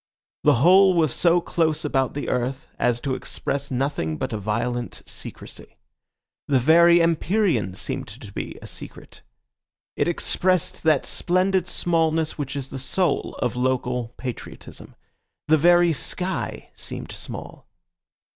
The whole was so close about the earth, as to express nothing but a violent secrecy. The very empyrean seemed to be a secret. It expressed that splendid smallness which is the soul of local patriotism. The very sky seemed small.